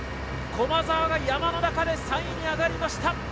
駒澤が山の中で３位に上がりました。